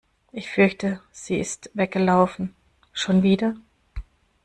Ich fürchte sie ist weggelaufen. Schon wieder?